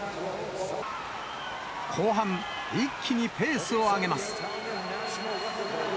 後半、一気にペースを上げます。